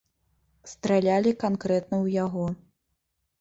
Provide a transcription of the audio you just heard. Стралялі канкрэтна ў яго.